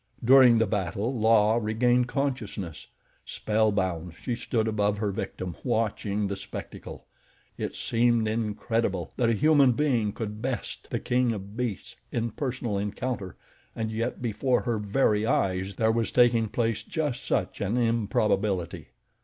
During the battle, La regained consciousness. Spellbound, she stood above her victim watching the spectacle. It seemed incredible that a human being could best the king of beasts in personal encounter and yet before her very eyes there was taking place just such an improbability.